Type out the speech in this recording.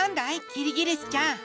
キリギリスちゃん。